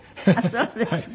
そうですか。